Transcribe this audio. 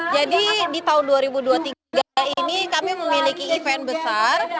jadi di tahun dua ribu dua puluh tiga ini kami memiliki event besar